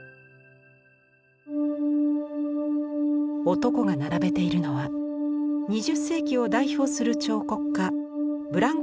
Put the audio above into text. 男が並べているのは２０世紀を代表する彫刻家ブランクーシ作品のレプリカ。